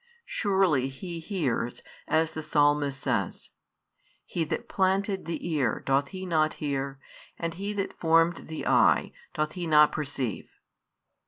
Surely He hears, as the Psalmist says: He that planted, the ear, doth He not hear? and He that formed the eye, doth He not perceive?